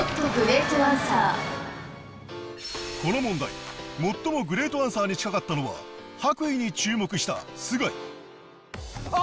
この問題最もグレートアンサーに近かったのは白衣に注目した須貝あっ！